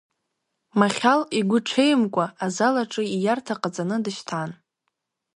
Махьал игәы ҽеимкәа азал аҿы ииарҭа ҟаҵаны дышьҭан.